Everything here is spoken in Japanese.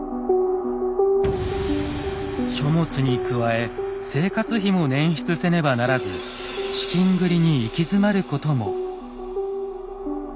書物に加え生活費も捻出せねばならず資金繰りに行き詰まることも。